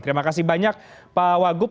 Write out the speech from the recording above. terima kasih banyak pak wagub